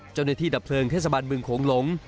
เจ้าในที่ดับเพลิงเทศบันบึงโขงหลง